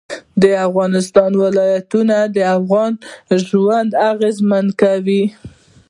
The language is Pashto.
د افغانستان ولايتونه د افغانانو ژوند اغېزمن کوي.